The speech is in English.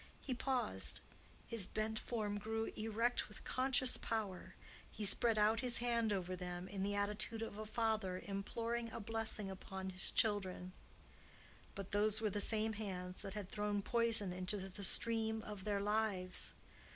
He paused; his bent form grew erect with conscious power; he spread out his hands over them in the attitude of a father imploring a blessing upon his children; but those were the same hands that had thrown poison into the stream of their lives.